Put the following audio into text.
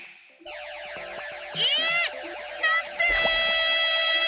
えなんで？